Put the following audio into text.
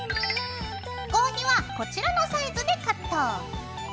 合皮はこちらのサイズでカット。